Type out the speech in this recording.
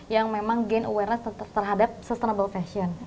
yang memang gain awareness terhadap sustainable fashion